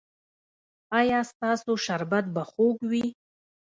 ایا ستاسو شربت به خوږ وي؟